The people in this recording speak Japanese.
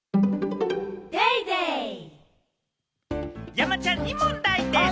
山ちゃんに問題です。